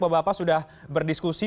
bapak bapak sudah berdiskusi